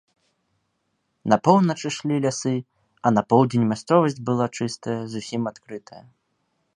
На поўнач ішлі лясы, а на поўдзень мясцовасць была чыстая, зусім адкрытая.